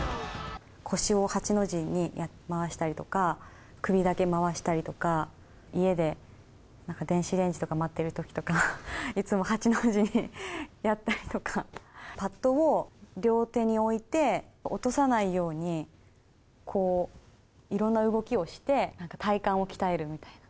腰を８の字に回したりとか、首だけ回したりとか、家で電子レンジとか待ってるときとか、いつも８の字にやったりとか、パッドを両手に置いて、落とさないように、いろんな動きをして、なんか体幹を鍛えるみたいな。